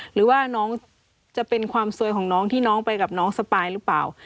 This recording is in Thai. หรือว่าน้องจะเป็นความสวยของน้องที่น้องไปกับน้องสปายหรือเปล่า